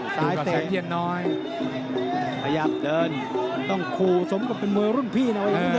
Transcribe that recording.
เสียความเสียงเที่ยนน้อยพยับเดินต้องคูสมกับเป็นมวยรุ่นพี่น่ะ